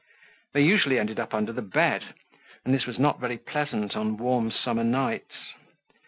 They usually ended up under the bed and this was not very pleasant on warm summer nights.